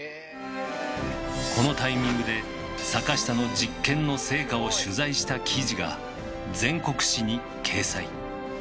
このタイミングで坂下の実験の成果を取材した記事が全国紙に掲載。